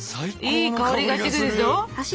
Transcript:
いい香りがしてくるでしょ。